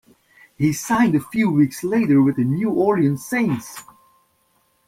He signed a few weeks later with the New Orleans Saints.